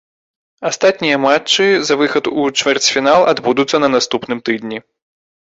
Астатнія матчы за выхад у чвэрцьфінал адбудуцца на наступным тыдні.